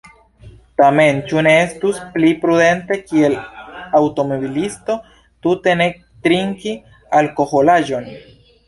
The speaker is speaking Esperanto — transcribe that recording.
Tamen, ĉu ne estus pli prudente kiel aŭtomobilisto tute ne trinki alkoholaĵon?